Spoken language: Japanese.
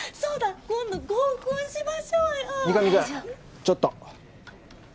ちょっと。